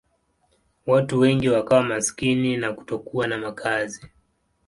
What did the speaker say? Watu wengi wakawa maskini na kutokuwa na makazi.